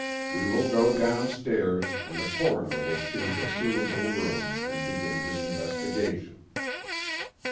We will go downstairs, and the Coroner will choose a suitable room, and begin his investigation."